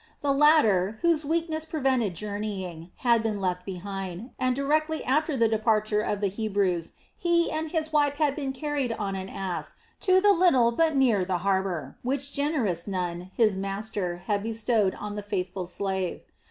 The latter, whose weakness prevented journeying, had been left behind, and directly after the departure of the Hebrews he and his wife had been carried on an ass to the little but near the harbor, which generous Nun, his master, had bestowed on the faithful slave.